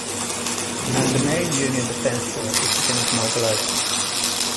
And the main Union defense force was beginning to mobilize.